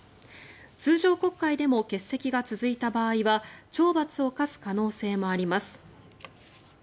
通常国会でも欠席が続いた場合は懲罰を科す可能性もあります。